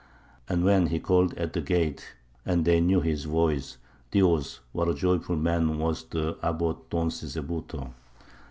And when he called at the gate and they knew his voice, Dios! what a joyful man was the Abbot Don Sisebuto!